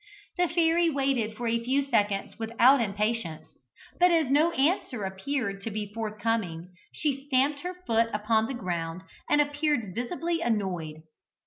The fairy waited for a few seconds without impatience, but as no answer appeared to be forthcoming, she stamped her foot upon the ground, and appeared visibly annoyed.